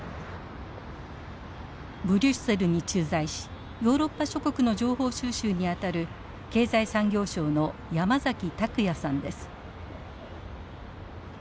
ブリュッセルに駐在しヨーロッパ諸国の情報収集にあたる経済産業省の山崎琢矢さんです。